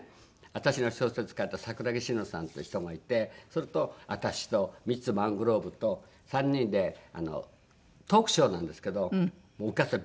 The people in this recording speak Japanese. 私の小説書いた桜木紫乃さんっていう人がいてそれと私とミッツ・マングローブと３人でトークショーなんですけどお客さん